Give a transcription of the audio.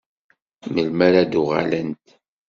Melmi ara d-uɣalent?